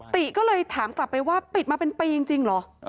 ติก็เลยถามกลับไปว่าปิดมาเป็นปีจริงเหรอ